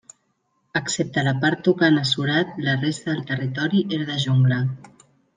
Excepte la part tocant a Surat la resta del territori era de jungla.